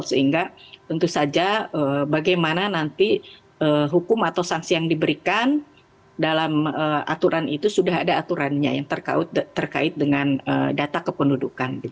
sehingga tentu saja bagaimana nanti hukum atau sanksi yang diberikan dalam aturan itu sudah ada aturannya yang terkait dengan data kependudukan